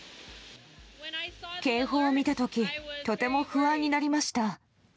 警報を見たとき、とても不安になりました。